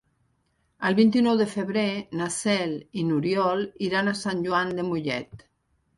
El vint-i-nou de febrer na Cel i n'Oriol iran a Sant Joan de Mollet.